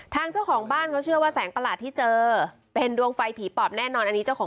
ทางเจ้าของบ้านเขาเชื่อว่าแสงประหลาดที่เจอเป็นดวงไฟผีปอบแน่นอน